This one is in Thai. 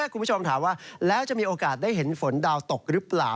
คุณผู้ชมถามว่าแล้วจะมีโอกาสได้เห็นฝนดาวตกหรือเปล่า